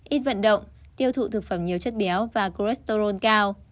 ít vận động tiêu thụ thực phẩm nhiều chất béo và cholesterol cao